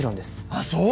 あっそう！